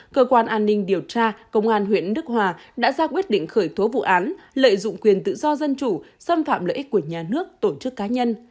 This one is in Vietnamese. cơ quan an ninh điều tra đã ra quyết định khởi thố vụ án lợi dụng quyền tự do dân chủ xâm phạm lợi ích của nhà nước tổ chức cá nhân